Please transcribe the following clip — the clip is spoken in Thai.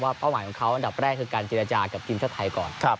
เป้าหมายของเขาอันดับแรกคือการเจรจากับทีมชาติไทยก่อน